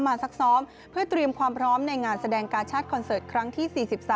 ซักซ้อมเพื่อเตรียมความพร้อมในงานแสดงกาชาติคอนเสิร์ตครั้งที่๔๓